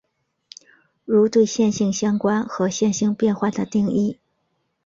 如对线性相关和线性变换的定义。